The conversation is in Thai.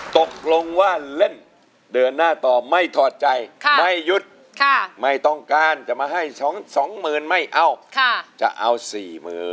ตกลงว่าเล่นเดินหน้าต่อไม่ถอดใจไม่หยุดไม่ต้องการจะมาให้๒หมื่นไม่เอาจะเอา๔๐๐๐